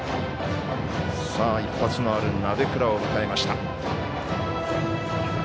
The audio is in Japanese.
一発のある鍋倉を迎えました。